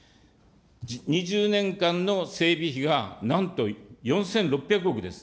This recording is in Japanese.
２０年間の整備費がなんと４６００億です。